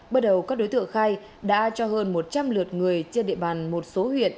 bắt đầu các đối tượng khai đã cho hơn một trăm linh lượt người trên địa bàn một số huyện